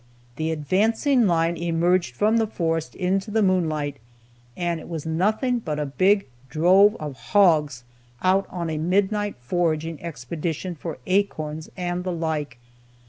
The advancing line emerged from the forest into the moonlight, and it was nothing but a big drove of hogs out on a midnight foraging expedition for acorns and the like!